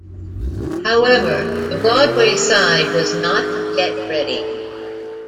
However, the Broadway side was not yet ready.